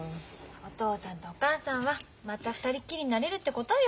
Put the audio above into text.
お父さんとお母さんはまた２人っきりになれるってことよ。